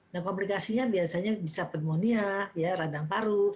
nah komplikasinya biasanya bisa pneumonia radang paru